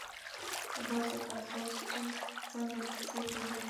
په داسې احساس څوک څنګه کیسې پیدا کړي.